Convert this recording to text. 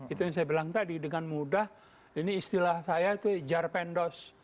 itu yang saya bilang tadi dengan mudah ini istilah saya itu jar pendos